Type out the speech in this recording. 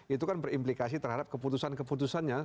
itu kan berimplikasi terhadap keputusan keputusannya